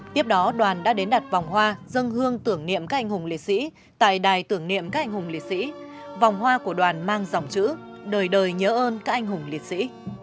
tiếp đó đoàn đã đến đặt vòng hoa dân hương tưởng niệm các anh hùng liệt sĩ tại đài tưởng niệm các anh hùng liệt sĩ vòng hoa của đoàn mang dòng chữ đời đời nhớ ơn các anh hùng liệt sĩ